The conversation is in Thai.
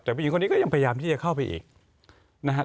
แต่ผู้หญิงคนนี้ก็ยังพยายามที่จะเข้าไปอีกนะครับ